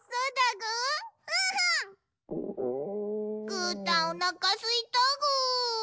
ぐーたんおなかすいたぐ。